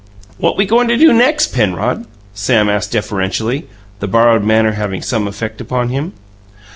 "What we goin' do next, Penrod?" Sam asked deferentially, the borrowed manner having some effect upon him.